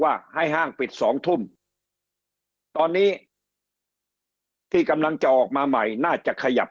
ว่าให้ห้างปิดสองทุ่มตอนนี้ที่กำลังจะออกมาใหม่น่าจะขยับ